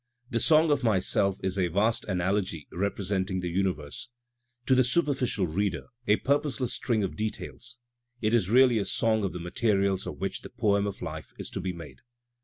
"The Song of Myself" is a vast analogy rep resenting the imiverse. To the superficial reader a purpose less string of details, it is really a song of the materials of which the poem of life is to be made.